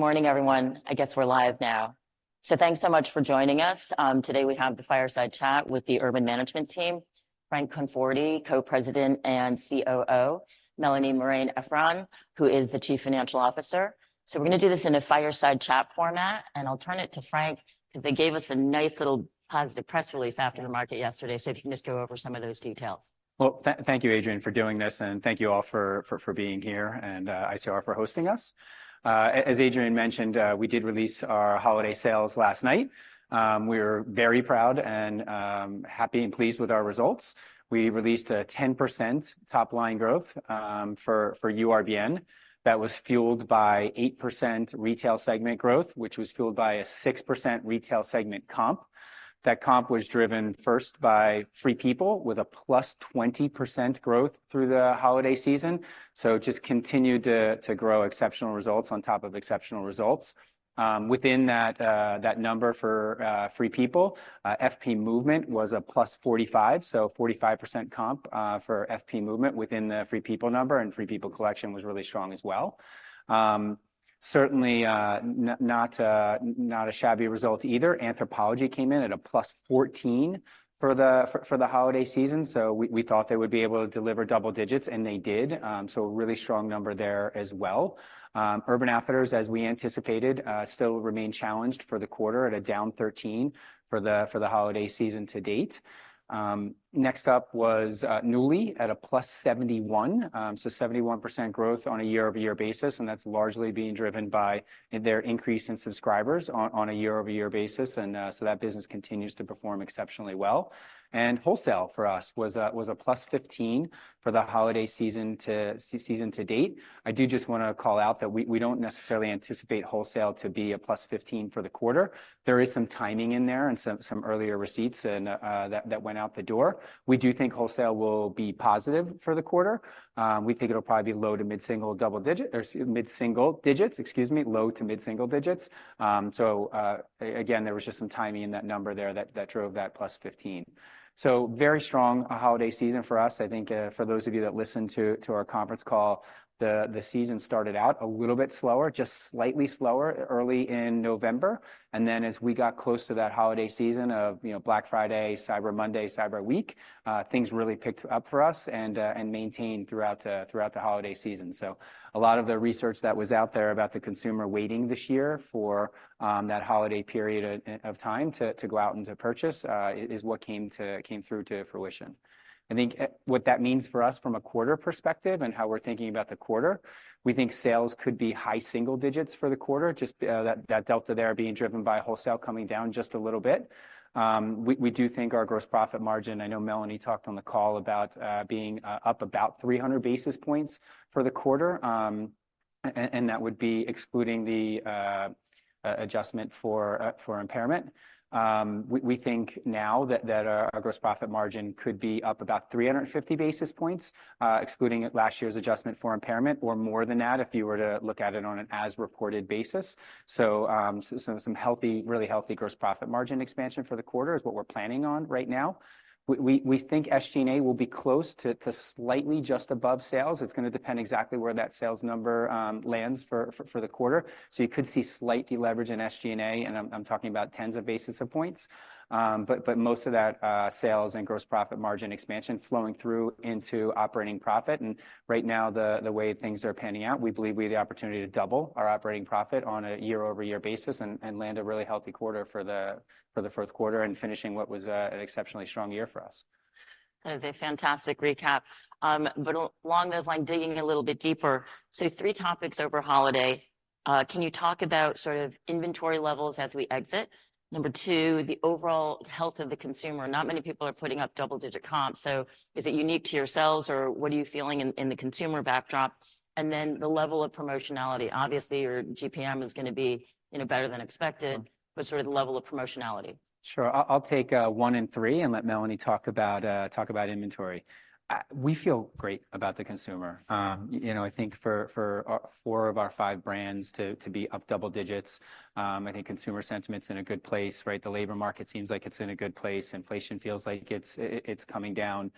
Good morning, everyone. I guess we're live now. So thanks so much for joining us. Today we have the Fireside Chat with the Urban Management Team, Frank Conforti, Co-President and COO, Melanie Marein-Efron, who is the Chief Financial Officer. So we're gonna do this in a Fireside Chat format, and I'll turn it to Frank, because they gave us a nice little positive press release after the market yesterday. So if you can just go over some of those details. Well, thank you, Adrienne, for doing this, and thank you all for being here, and ICR for hosting us. As Adrienne mentioned, we did release our holiday sales last night. We're very proud and happy and pleased with our results. We released a 10% top line growth for URBN. That was fueled by 8% retail segment growth, which was fueled by a 6% retail segment comp. That comp was driven first by Free People, with a +20% growth through the holiday season. So just continued to grow exceptional results on top of exceptional results. Within that, that number for Free People, FP Movement was a +45%, so 45% comp for FP Movement within the Free People number, and Free People collection was really strong as well. Certainly, not a shabby result either. Anthropologie came in at +14% for the holiday season, so we thought they would be able to deliver double digits, and they did. So a really strong number there as well. Urban Outfitters, as we anticipated, still remain challenged for the quarter at -13% for the holiday season to date. Next up was Nuuly at +71%, so 71% growth on a year-over-year basis, and that's largely being driven by their increase in subscribers on a year-over-year basis. So that business continues to perform exceptionally well. Wholesale for us was a +15% for the holiday season to date. I do just wanna call out that we don't necessarily anticipate wholesale to be a +15% for the quarter. There is some timing in there and some earlier receipts and that went out the door. We do think wholesale will be positive for the quarter. We think it'll probably be low to mid-single double digit or mid-single digits, excuse me, low to mid-single digits. So again, there was just some timing in that number there that drove that +15%. So very strong holiday season for us. I think, for those of you that listened to our conference call, the season started out a little bit slower, just slightly slower early in November, and then as we got close to that holiday season of, you know, Black Friday, Cyber Monday, Cyber Week, things really picked up for us and maintained throughout the holiday season. So a lot of the research that was out there about the consumer waiting this year for that holiday period of time to go out and to purchase is what came through to fruition. I think what that means for us from a quarter perspective and how we're thinking about the quarter, we think sales could be high single digits for the quarter, just that delta there being driven by wholesale coming down just a little bit. We do think our gross profit margin... I know Melanie talked on the call about being up about 300 basis points for the quarter, and that would be excluding the adjustment for impairment. We think now that our gross profit margin could be up about 350 basis points, excluding last year's adjustment for impairment, or more than that, if you were to look at it on an as-reported basis. So, some healthy, really healthy gross profit margin expansion for the quarter is what we're planning on right now. We think SG&A will be close to slightly just above sales. It's gonna depend exactly where that sales number lands for the quarter. So you could see slight deleverage in SG&A, and I'm talking about tens of basis points. But most of that sales and gross profit margin expansion flowing through into operating profit, and right now, the way things are panning out, we believe we have the opportunity to double our operating profit on a year-over-year basis and land a really healthy quarter for the fourth quarter and finishing what was an exceptionally strong year for us. That is a fantastic recap. But along those lines, digging a little bit deeper, so three topics over holiday. Can you talk about sort of inventory levels as we exit? Number two, the overall health of the consumer. Not many people are putting up double-digit comps, so is it unique to yourselves, or what are you feeling in the consumer backdrop? And then the level of promotionality. Obviously, your GPM is going to be, you know, better than expected, but sort of the level of promotionality. Sure. I'll take one and three, and let Melanie talk about inventory. We feel great about the consumer. You know, I think for our four of our five brands to be up double digits, I think consumer sentiment's in a good place, right? The labor market seems like it's in a good place. Inflation feels like it's coming down.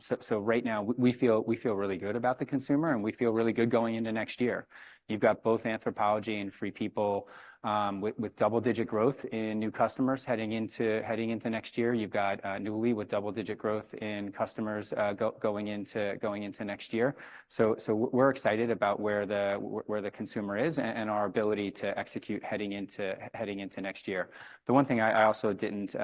So right now, we feel really good about the consumer, and we feel really good going into next year. You've got both Anthropologie and Free People with double-digit growth in new customers heading into next year. You've got Nuuly with double-digit growth in customers going into next year. So, we're excited about where the consumer is, and our ability to execute heading into next year. The one thing I also didn't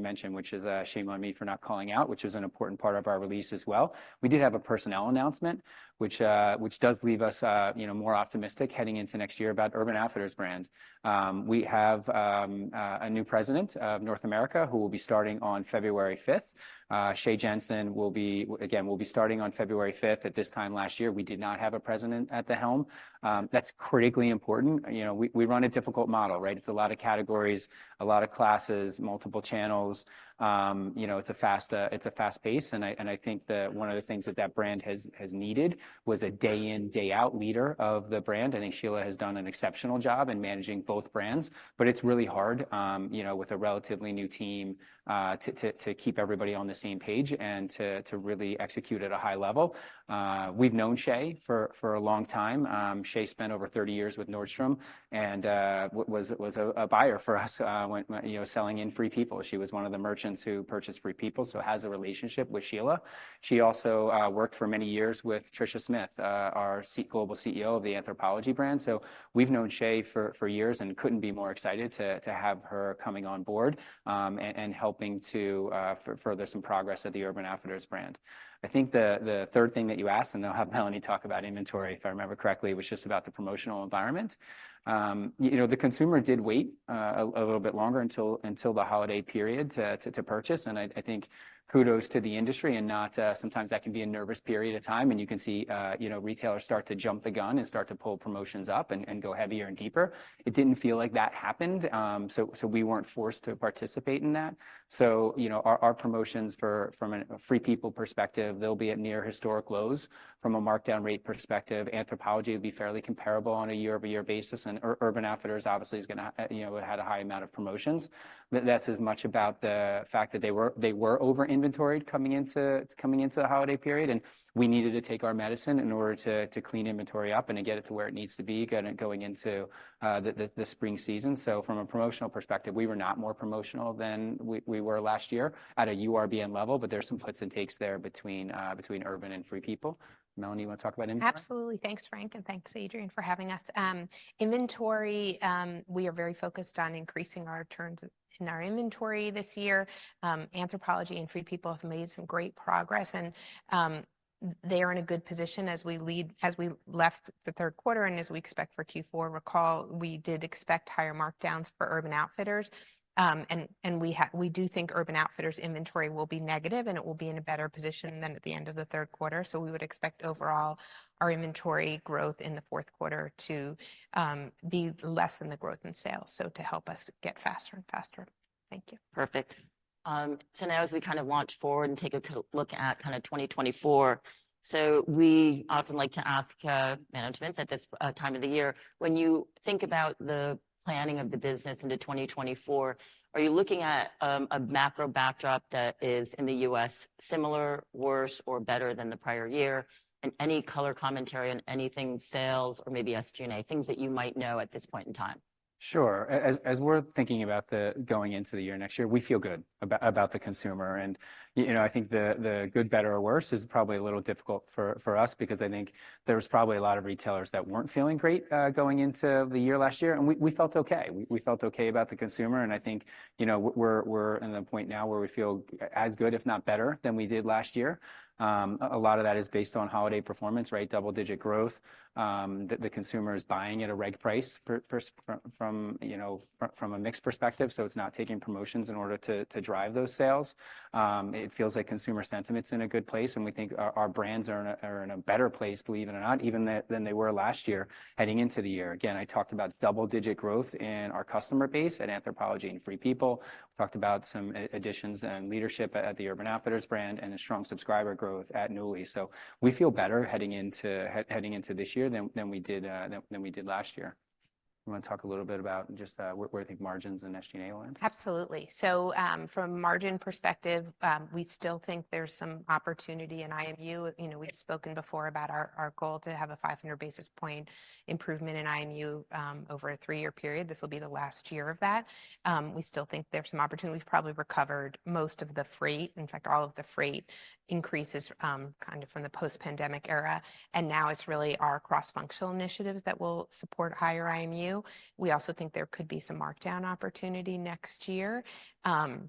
mention, which is a shame on me for not calling out, which is an important part of our release as well: we did have a personnel announcement, which does leave us, you know, more optimistic heading into next year about Urban Outfitters brand. We have a new president of North America, who will be starting on 5th February. Shea Jensen will be starting on February 5th. At this time last year, we did not have a president at the helm. That's critically important. You know, we run a difficult model, right? It's a lot of categories, a lot of classes, multiple channels. You know, it's a fast pace, and I think that one of the things that that brand has needed was a day-in, day-out leader of the brand. I think Sheila has done an exceptional job in managing both brands, but it's really hard, you know, with a relatively new team, to keep everybody on the same page and to really execute at a high level. We've known Shea for a long time. Shea spent over 30 years with Nordstrom, and was a buyer for us, when, you know, selling in Free People. She was one of the merchants who purchased Free People, so has a relationship with Sheila. She also worked for many years with Tricia Smith, our global CEO of the Anthropologie brand. So we've known Shea for years and couldn't be more excited to have her coming on board and helping to further some progress at the Urban Outfitters brand. I think the third thing that you asked, and I'll have Melanie talk about inventory, if I remember correctly, was just about the promotional environment. You know, the consumer did wait a little bit longer until the holiday period to purchase, and I think kudos to the industry and not... Sometimes that can be a nervous period of time, and you can see, you know, retailers start to jump the gun and start to pull promotions up and go heavier and deeper. It didn't feel like that happened, so we weren't forced to participate in that. So, you know, our promotions from a Free People perspective, they'll be at near historic lows from a markdown rate perspective. Anthropologie will be fairly comparable on a year-over-year basis, and Urban Outfitters obviously is gonna, you know, had a high amount of promotions. But that's as much about the fact that they were over-inventoried coming into the holiday period, and we needed to take our medicine in order to clean inventory up and to get it to where it needs to be going into the spring season. So from a promotional perspective, we were not more promotional than we were last year at a URBN level, but there's some puts and takes there between Urban and Free People. Melanie, you want to talk about inventory? Absolutely. Thanks, Frank, and thanks, Adrienne, for having us. Inventory, we are very focused on increasing our turns in our inventory this year. Anthropologie and Free People have made some great progress, and they are in a good position as we left the third quarter and as we expect for Q4. Recall, we did expect higher markdowns for Urban Outfitters, and we do think Urban Outfitters' inventory will be negative, and it will be in a better position than at the end of the third quarter. So we would expect, overall, our inventory growth in the fourth quarter to be less than the growth in sales, so to help us get faster and faster. Thank you. Perfect. So now, as we kind of launch forward and take a look at kind of 2024, so we often like to ask managements at this time of the year, when you think about the planning of the business into 2024, are you looking at a macro backdrop that is, in the U.S., similar, worse, or better than the prior year? And any color commentary on anything sales or maybe SG&A, things that you might know at this point in time. Sure. As we're thinking about going into the year next year, we feel good about the consumer, and, you know, I think the good, better, or worse is probably a little difficult for us because I think there was probably a lot of retailers that weren't feeling great going into the year last year, and we felt okay. We felt okay about the consumer, and I think, you know, we're in the point now where we feel as good, if not better, than we did last year. A lot of that is based on holiday performance, right? Double-digit growth, the consumer is buying at a reg price per from, you know, from a mixed perspective, so it's not taking promotions in order to drive those sales. It feels like consumer sentiment's in a good place, and we think our brands are in a better place, believe it or not, even than they were last year, heading into the year. Again, I talked about double-digit growth in our customer base at Anthropologie and Free People. I talked about some additions and leadership at the Urban Outfitters brand and a strong subscriber growth at Nuuly. So we feel better heading into this year than we did last year. You want to talk a little bit about just where I think margins and SG&A went? Absolutely. So, from a margin perspective, we still think there's some opportunity in IMU. You know, we've spoken before about our, our goal to have a 500 basis point improvement in IMU, over a three-year period. This will be the last year of that. We still think there's some opportunity. We've probably recovered most of the freight, in fact, all of the freight increases, kind of from the post-pandemic era, and now it's really our cross-functional initiatives that will support higher IMU. We also think there could be some markdown opportunity next year. So,...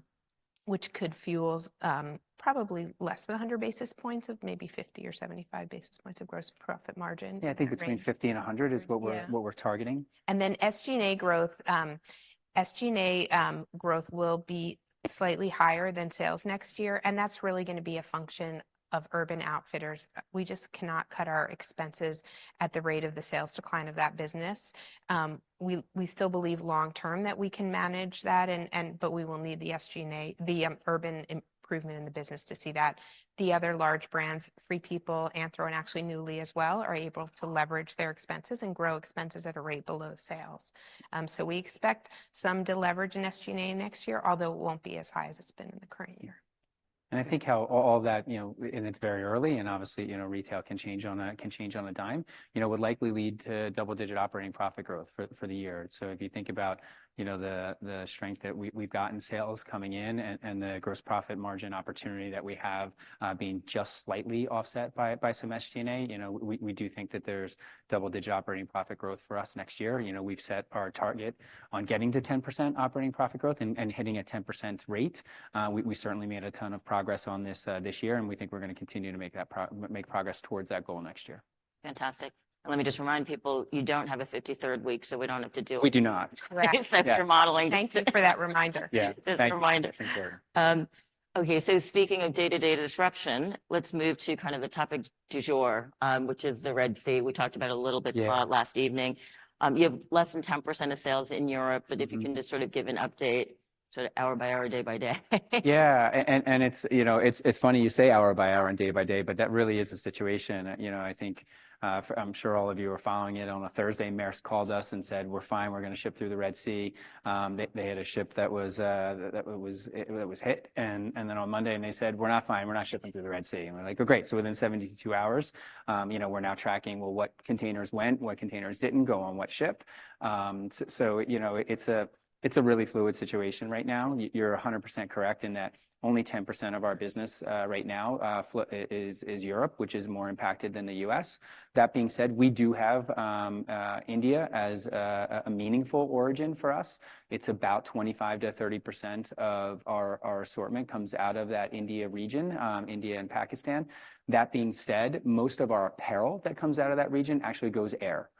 which could fuel, probably less than 100 basis points of maybe 50 or 75 basis points of gross profit margin. Yeah, I think between 50 and 100 is what we're- Yeah... what we're targeting. And then SG&A growth, SG&A growth will be slightly higher than sales next year, and that's really gonna be a function of Urban Outfitters. We just cannot cut our expenses at the rate of the sales decline of that business. We, we still believe long term that we can manage that, and, and, but we will need the SG&A, the, Urban improvement in the business to see that. The other large brands, Free People, Anthro, and actually Nuuly as well, are able to leverage their expenses and grow expenses at a rate below sales. So we expect some deleverage in SG&A next year, although it won't be as high as it's been in the current year. I think how all that, you know, and it's very early, and obviously, you know, retail can change on a dime, you know, would likely lead to double-digit operating profit growth for the year. So if you think about, you know, the strength that we've got in sales coming in, and the gross profit margin opportunity that we have, being just slightly offset by some SG&A, you know, we do think that there's double-digit operating profit growth for us next year. You know, we've set our target on getting to 10% operating profit growth and hitting a 10% rate. We certainly made a ton of progress on this this year, and we think we're gonna continue to make progress towards that goal next year. Fantastic. Let me just remind people, you don't have a 53rd week, so we don't have to deal with- We do not. Correct. Accept your modeling. Thank you for that reminder. Yeah. Thank you. Just a reminder. Thank you. Okay, so speaking of day-to-day disruption, let's move to kind of a topic du jour, which is the Red Sea. We talked about it a little bit. Yeah... last evening. You have less than 10% of sales in Europe- Mm-hmm... but if you can just sort of give an update, sort of hour by hour, day by day. Yeah, and it's, you know, it's funny you say hour by hour and day by day, but that really is the situation. You know, I think, I'm sure all of you are following it. On a Thursday, Maersk called us and said, "We're fine. We're gonna ship through the Red Sea." They had a ship that was hit, and then on Monday, they said, "We're not fine. We're not shipping through the Red Sea." And we're like: Oh, great! So within 72 hours, you know, we're now tracking, well, what containers went, what containers didn't go on what ship? So, you know, it's a really fluid situation right now. You're 100% correct in that only 10% of our business right now flow is Europe, which is more impacted than the U.S. That being said, we do have India as a meaningful origin for us. It's about 25%-30% of our assortment comes out of that India region, India and Pakistan. That being said, most of our apparel that comes out of that region actually goes air.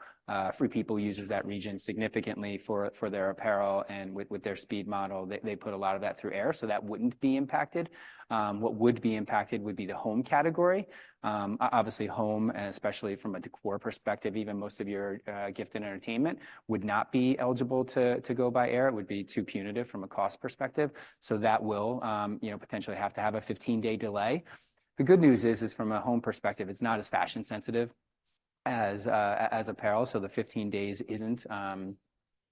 Free People uses that region significantly for their apparel, and with their speed model, they put a lot of that through air, so that wouldn't be impacted. What would be impacted would be the home category. Obviously, home, and especially from a decor perspective, even most of your gift and entertainment would not be eligible to go by air. It would be too punitive from a cost perspective, so that will, you know, potentially have to have a 15-day delay. The good news is from a home perspective, it's not as fashion sensitive as, as apparel, so the 15 days isn't,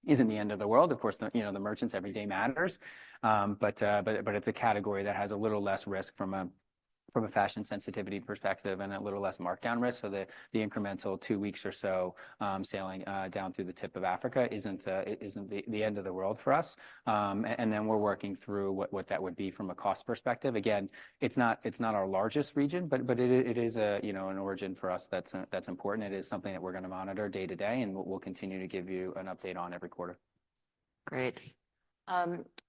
isn't the end of the world. Of course, the, you know, the merchants, every day matters. But it's a category that has a little less risk from a, from a fashion sensitivity perspective and a little less markdown risk, so the, the incremental two weeks or so, sailing, down through the tip of Africa isn't, isn't the, the end of the world for us. And then we're working through what that would be from a cost perspective. Again, it's not, it's not our largest region, but, but it is, it is a, you know, an origin for us that's, that's important. It is something that we're gonna monitor day to day, and we'll continue to give you an update on every quarter. Great.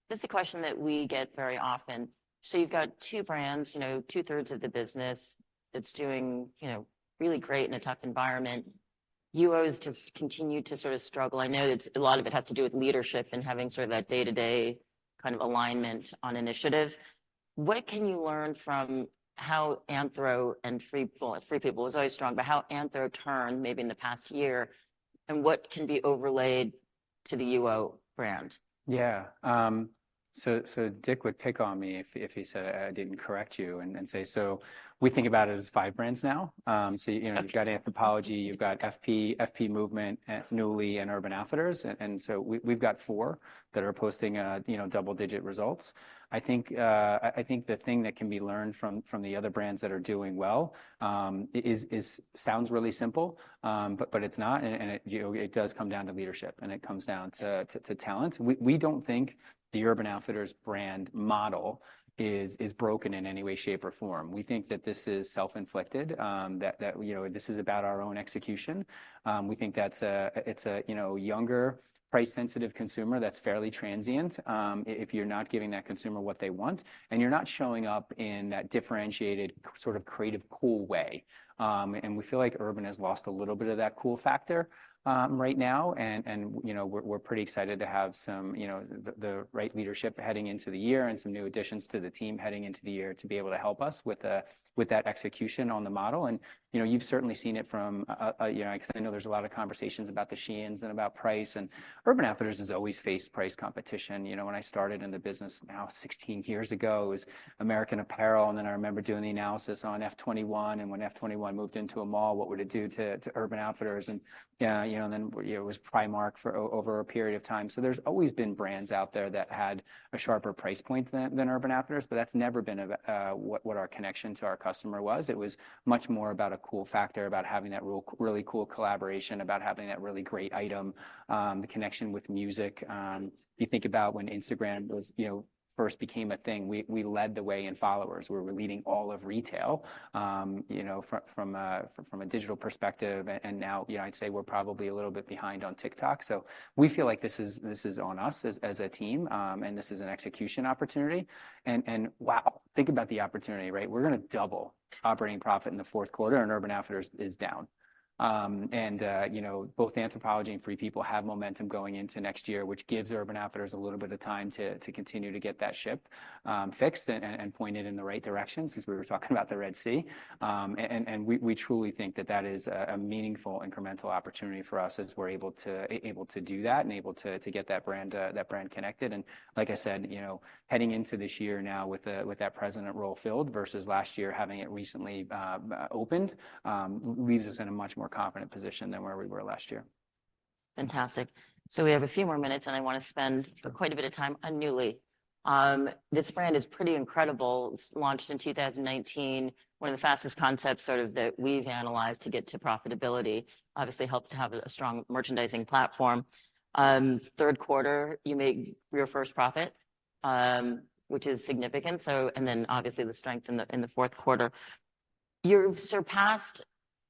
This is a question that we get very often. So you've got two brands, you know, two-thirds of the business that's doing, you know, really great in a tough environment. UO has just continued to sort of struggle. I know it's a lot of it has to do with leadership and having sort of that day-to-day kind of alignment on initiatives. What can you learn from how Anthro and Free People... Well, Free People was always strong, but how Anthro turned maybe in the past year, and what can be overlaid to the UO brand? Yeah, so Dick would pick on me if he said I didn't correct you and say... So we think about it as five brands now. So, you know, you've got Anthropologie, you've got FP, FP Movement, and Nuuly, and Urban Outfitters. And so we, we've got four that are posting, you know, double-digit results. I think, I think the thing that can be learned from the other brands that are doing well is sounds really simple, but it's not, and, you know, it does come down to leadership, and it comes down to talent. We don't think the Urban Outfitters brand model is broken in any way, shape, or form. We think that this is self-inflicted, that, you know, this is about our own execution. We think that's it's a, you know, younger, price-sensitive consumer that's fairly transient. If you're not giving that consumer what they want, and you're not showing up in that differentiated, sort of creative, cool way. And we feel like Urban has lost a little bit of that cool factor, right now, and, you know, we're pretty excited to have some, you know, the right leadership heading into the year and some new additions to the team heading into the year to be able to help us with that execution on the model. And, you know, you've certainly seen it from, you know, because I know there's a lot of conversations about the Shein and about price, and Urban Outfitters has always faced price competition. You know, when I started in the business now 16 years ago, it was American Apparel, and then I remember doing the analysis on F21, and when F21 moved into a mall, what would it do to Urban Outfitters? And, you know, and then, you know, it was Primark for over a period of time. So there's always been brands out there that had a sharper price point than Urban Outfitters, but that's never been a what our connection to our customer was. It was much more about a cool factor, about having that really cool collaboration, about having that really great item, the connection with music. You think about when Instagram was, you know, first became a thing, we led the way in followers. We were leading all of retail, you know, from a digital perspective, and now, you know, I'd say we're probably a little bit behind on TikTok. So we feel like this is on us as a team, and this is an execution opportunity. And wow, think about the opportunity, right? We're gonna double operating profit in the fourth quarter, and Urban Outfitters is down. You know, both Anthropologie and Free People have momentum going into next year, which gives Urban Outfitters a little bit of time to continue to get that ship fixed and pointed in the right direction, since we were talking about the Red Sea. We truly think that that is a meaningful incremental opportunity for us as we're able to do that and able to get that brand, that brand connected. And like I said, you know, heading into this year now with that president role filled, versus last year, having it recently opened, leaves us in a much more confident position than where we were last year.... Fantastic! So we have a few more minutes, and I wanna spend quite a bit of time on Nuuly. This brand is pretty incredible. It's launched in 2019, one of the fastest concepts sort of that we've analyzed to get to profitability. Obviously, helps to have a strong merchandising platform. Third quarter, you made your first profit, which is significant. So, obviously, the strength in the fourth quarter. You've surpassed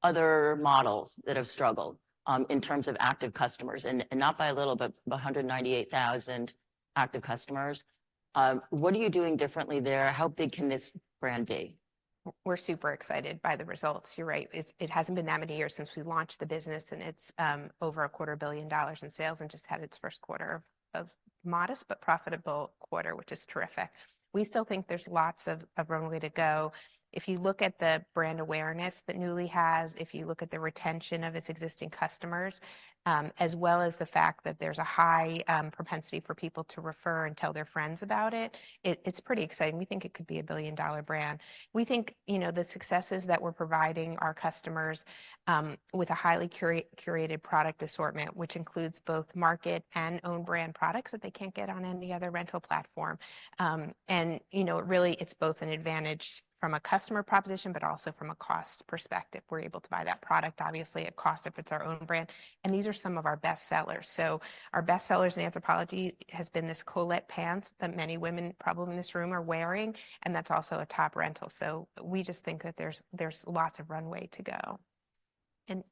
other models that have struggled in terms of active customers, and not by a little, but 198,000 active customers. What are you doing differently there? How big can this brand be? We're super excited by the results. You're right, it's, it hasn't been that many years since we launched the business, and it's over $250 million in sales and just had its first quarter of modest but profitable quarter, which is terrific. We still think there's lots of runway to go. If you look at the brand awareness that Nuuly has, if you look at the retention of its existing customers, as well as the fact that there's a high propensity for people to refer and tell their friends about it, it's pretty exciting. We think it could be a billion-dollar brand. We think, you know, the successes that we're providing our customers with a highly curated product assortment, which includes both market and own brand products that they can't get on any other rental platform. And, you know, really, it's both an advantage from a customer proposition, but also from a cost perspective. We're able to buy that product, obviously, at cost if it's our own brand, and these are some of our best sellers. So our best sellers in Anthropologie has been this Colette pants that many women probably in this room are wearing, and that's also a top rental. So we just think that there's lots of runway to go. And,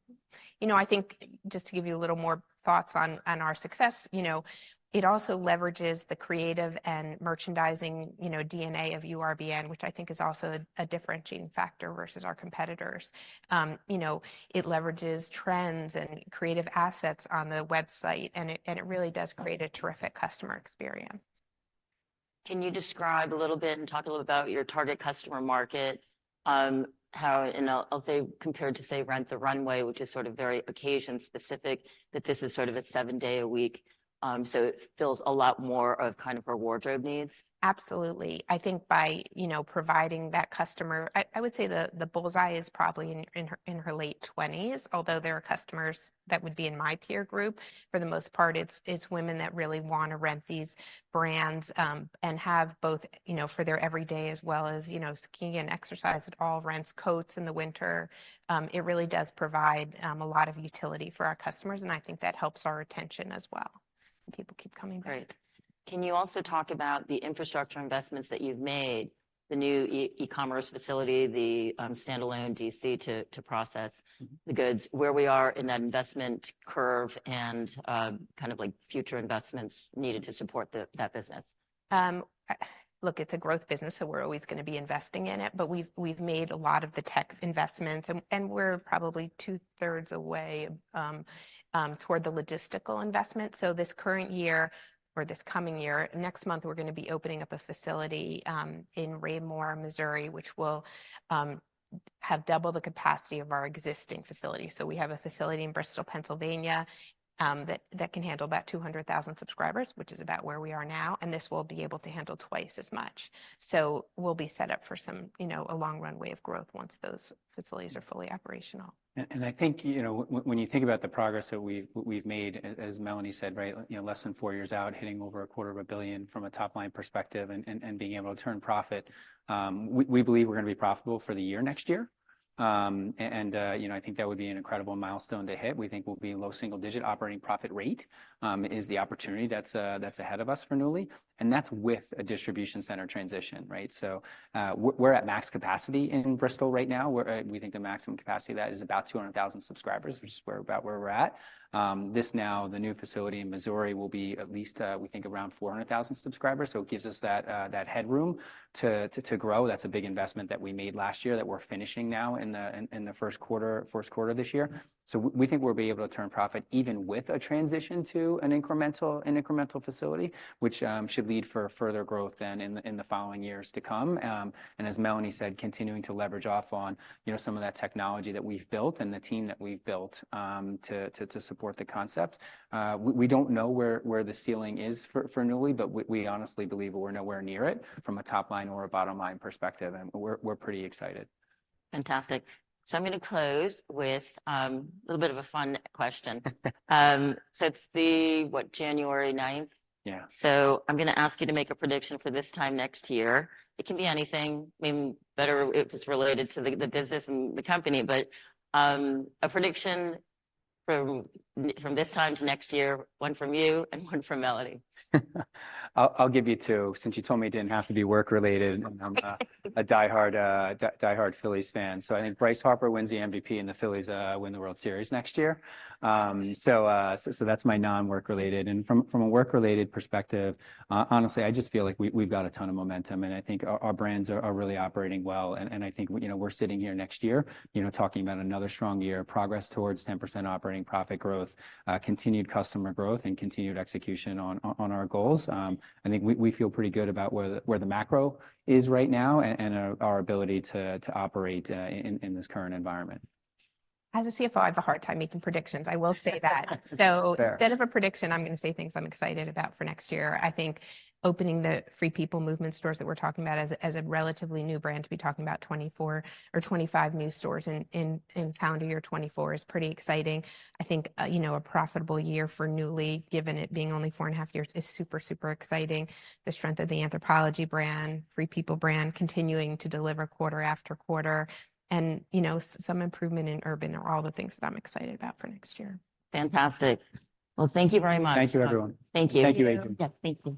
you know, I think just to give you a little more thoughts on our success, you know, it also leverages the creative and merchandising, you know, DNA of URBN, which I think is also a differentiating factor versus our competitors. You know, it leverages trends and creative assets on the website, and it really does create a terrific customer experience. Can you describe a little bit and talk a little about your target customer market, how... And I'll say, compared to, say, Rent the Runway, which is sort of very occasion-specific, that this is sort of a seven-day a week, so it fills a lot more of kind of her wardrobe needs. Absolutely. I think by, you know, providing that customer... I would say the bull's-eye is probably in her late 20s, although there are customers that would be in my peer group. For the most part, it's women that really wanna rent these brands, and have both, you know, for their every day as well as, you know, skiing and exercise. It all rents coats in the winter. It really does provide a lot of utility for our customers, and I think that helps our retention as well. And people keep coming back. Great. Can you also talk about the infrastructure investments that you've made, the new e-commerce facility, the standalone DC to process the goods, where we are in that investment curve, and kind of like future investments needed to support that business? Look, it's a growth business, so we're always gonna be investing in it, but we've made a lot of the tech investments, and we're probably two-thirds away toward the logistical investment. So this current year or this coming year, next month, we're gonna be opening up a facility in Raymore, Missouri, which will have double the capacity of our existing facility. So we have a facility in Bristol, Pennsylvania, that can handle about 200,000 subscribers, which is about where we are now, and this will be able to handle twice as much. So we'll be set up for some, you know, a long runway of growth once those facilities are fully operational. And I think, you know, when you think about the progress that we've made, as Melanie said, right, you know, less than four years out, hitting over $250 million from a top-line perspective and being able to turn profit, we believe we're gonna be profitable for the year next year. And, you know, I think that would be an incredible milestone to hit. We think we'll be in low single-digit operating profit rate is the opportunity that's ahead of us for Nuuly, and that's with a distribution center transition, right? So, we're at max capacity in Bristol right now, where we think the maximum capacity of that is about 200,000 subscribers, which is about where we're at. This now, the new facility in Missouri, will be at least, we think, around 400,000 subscribers, so it gives us that headroom to grow. That's a big investment that we made last year that we're finishing now in the first quarter this year. So we think we'll be able to turn profit even with a transition to an incremental facility, which should lead for further growth then in the following years to come. And as Melanie said, continuing to leverage off on, you know, some of that technology that we've built and the team that we've built to support the concept. We don't know where the ceiling is for Nuuly, but we honestly believe we're nowhere near it, from a top-line or a bottom-line perspective, and we're pretty excited. Fantastic. So I'm gonna close with a little bit of a fun question. So it's the what? January ninth. Yeah. So I'm gonna ask you to make a prediction for this time next year. It can be anything, I mean, better if it's related to the business and the company, but a prediction from this time to next year, one from you and one from Melanie. I'll give you two, since you told me it didn't have to be work-related. And I'm a die-hard Phillies fan, so I think Bryce Harper wins the MVP, and the Phillies win the World Series next year. So that's my non-work related. And from a work-related perspective, honestly, I just feel like we've got a ton of momentum, and I think our brands are really operating well. And I think, you know, we're sitting here next year, you know, talking about another strong year of progress towards 10% operating profit growth, continued customer growth, and continued execution on our goals. I think we feel pretty good about where the macro is right now, and our ability to operate in this current environment. As a CFO, I have a hard time making predictions. I will say that. Fair. Instead of a prediction, I'm gonna say things I'm excited about for next year. I think opening the Free People Movement stores that we're talking about as a relatively new brand, to be talking about 24 or 25 new stores in calendar year 2024 is pretty exciting. I think, you know, a profitable year for Nuuly, given it being only four and a half years, is super, super exciting. The strength of the Anthropologie brand, Free People brand, continuing to deliver quarter after quarter, and, you know, some improvement in Urban are all the things that I'm excited about for next year. Fantastic. Well, thank you very much. Thank you, everyone. Thank you. Thank you, Adrienne. Yeah. Thank you.